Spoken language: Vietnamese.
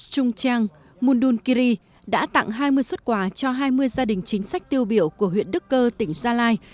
trung trang mundunkiri đã tặng hai mươi xuất quà cho hai mươi gia đình chính sách tiêu biểu của huyện đức cơ tỉnh gia lai